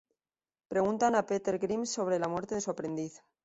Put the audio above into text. Preguntan a Peter Grimes sobre la muerte de su aprendiz.